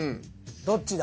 どっちだ？